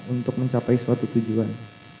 untuk mencapai suatu tujuan